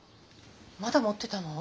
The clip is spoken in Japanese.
まだ持ってたの？